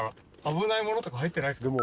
危ないものとか入ってないですか？